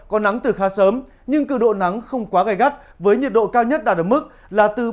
có nắng từ khá sớm nhưng cơ độ nắng không quá gai gắt với nhiệt độ cao nhất ra động mức là từ ba mươi hai đến ba mươi bốn độ